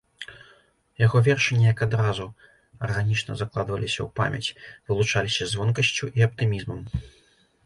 Яго вершы неяк адразу арганічна закладваліся ў памяць, вылучаліся звонкасцю і аптымізмам.